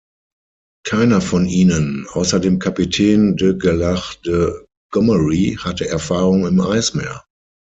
Keiner von ihnen, außer dem Kapitän de Gerlache de Gomery, hatte Erfahrung im Eismeer.